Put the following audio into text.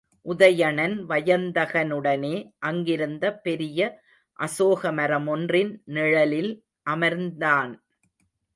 உதயணன் வயந்தகனுடனே அங்கிருந்த பெரிய அசோக மரமொன்றின் நிழலில் அமர்ந்தான்.